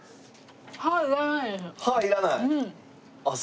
歯いらないです。